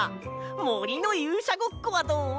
もりのゆうしゃごっこはどう？